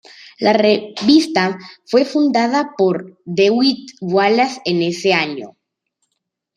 La revista fue fundada por Dewitt Wallace en ese año.